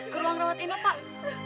ke ruang rawat inap pak